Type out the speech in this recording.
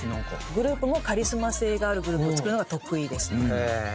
グループもカリスマ性があるグループを作るのが得意です。